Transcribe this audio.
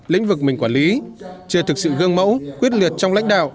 lĩnh vực mình quản lý chưa thực sự gương mẫu quyết liệt trong lãnh đạo